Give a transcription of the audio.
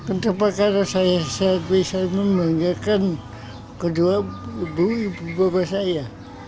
untuk apa kalau saya bisa membanggakan kedua ibu ibu bapak saya